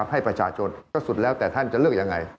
ให้ประชาชนก็สุดแล้วแต่ท่านจะเลือกยังไง